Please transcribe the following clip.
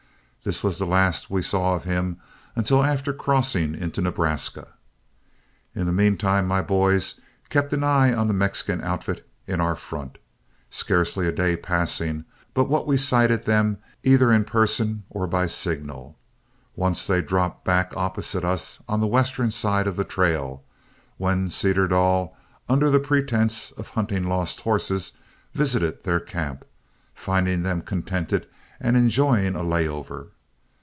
This was the last we saw of him until after crossing into Nebraska. In the mean time my boys kept an eye on the Mexican outfit in our front, scarcely a day passing but what we sighted them either in person or by signal. Once they dropped back opposite us on the western side of the trail, when Cedardall, under the pretense of hunting lost horses, visited their camp, finding them contented and enjoying a lay over.